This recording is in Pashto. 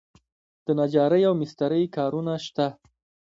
د نجارۍ او مسترۍ کارونه شته؟